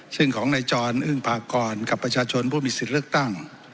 ซึ่งของนายจรอึ้งพากรกับประชาชนผู้มีสิทธิ์เลือกตั้ง